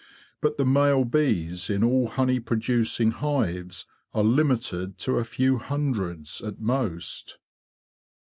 But the male bees in all honey producing hives are limited to a few hundreds at most."